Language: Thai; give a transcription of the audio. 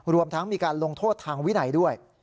รวมทั้งมีการลงโทษทางวินัยด้วย